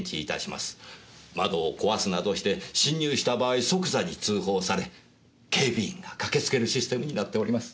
窓を壊すなどして侵入した場合即座に通報され警備員がかけつけるシステムになっております。